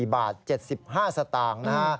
๙๒๐๐๔๙๐๑๔บาท๗๕สตางค์